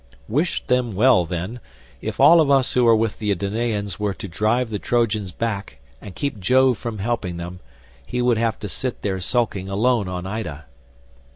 Wish them well then. If all of us who are with the Danaans were to drive the Trojans back and keep Jove from helping them, he would have to sit there sulking alone on Ida."